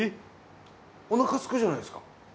おなかすくじゃないですか。